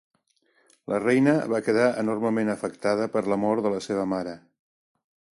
La reina va quedar enormement afectada per la mort de la seva mare.